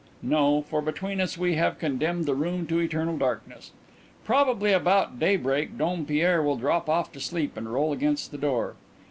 No, for between us we have condemned the room to eternal darkness. Probably about daybreak Dompierre will drop off to sleep and roll against the door.